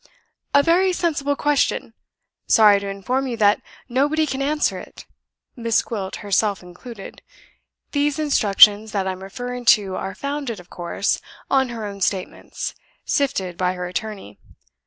"A very sensible question. Sorry to inform you that nobody can answer it Miss Gwilt herself included. These Instructions that I'm referring to are founded, of course, on her own statements, sifted by her attorney.